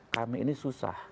kami ini susah